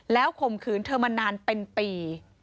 ข่มขืนเธอมานานเป็นปี